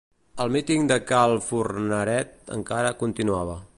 El míting de cal Forneret encara continuava.